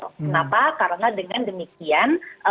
kenapa karena dengan demikian